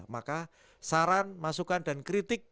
maka saran masukan dan kritik